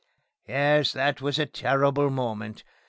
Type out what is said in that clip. Yes, that was a terrible moment.